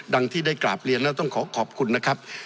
ที่ได้กราบเรียนแล้วต้องขอขอบคุณนะครับ